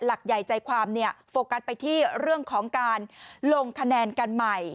หลักใหญ่ใจความโฟกัสไปที่เรื่องของการลงคะแนนกันใหม่